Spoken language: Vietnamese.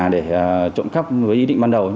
để trộm khắp với ý định ban đầu